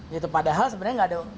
gitu padahal sebenernya gak ada